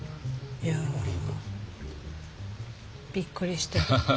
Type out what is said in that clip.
いやびっくりしてる。